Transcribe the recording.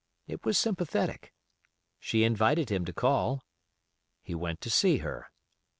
It was sympathetic. She invited him to call. He went to see her.